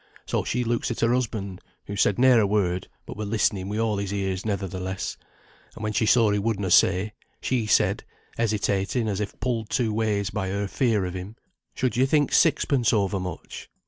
So she looks at her husband, who said ne'er a word, but were listening wi' all his ears nevertheless; and when she saw he would na say, she said, hesitating, as if pulled two ways, by her fear o' him, 'Should you think sixpence over much?'